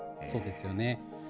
そうですよね。